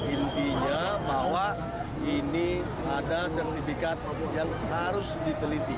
intinya bahwa ini ada sertifikat yang harus diteliti